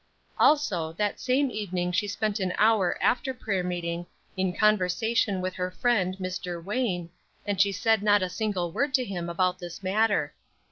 Also that same evening she spent an hour after prayer meeting in conversation with her friend, Mr. Wayne, and she said not a single word to him about this matter.